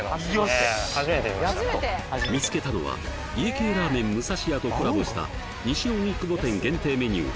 見つけたのは家系ラーメン武蔵家とコラボした西荻窪店限定メニュー